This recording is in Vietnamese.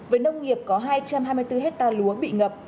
với nông nghiệp có hai trăm hai mươi bốn hectare lúa bị ngập